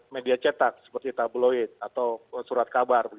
media cetak seperti tabloid atau surat kabar